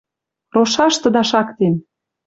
Рошаштыда шактен!